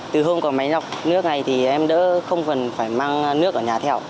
từ hôm còn máy lọc nước này thì em đã không phần phải mang nước ở nhà theo